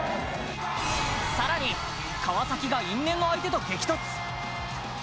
更に川崎が因縁の相手と激突。